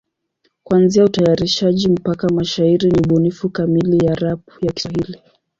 Kuanzia utayarishaji mpaka mashairi ni ubunifu kamili ya rap ya Kiswahili.